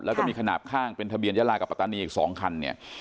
แล้วก็มีขนาดข้างเป็นทะเบียนยาลากับปัตตานีอีก๒คันเนี่ย